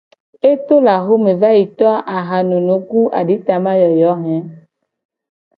E to le axome va yi to ahanunu ku aditamayoyo he.